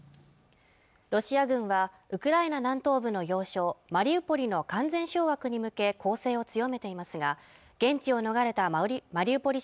ロシア軍はウクライナ南東部の要衝マリウポリの完全掌握に向け攻勢を強めていますが現地を逃れたマリウポリ